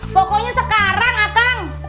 pokoknya sekarang akang